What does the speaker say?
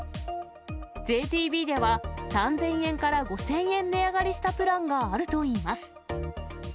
ＪＴＢでは、３０００円から５０００円値上がりしたプランがあるといいます。